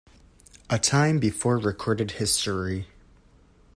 A time before recorded history.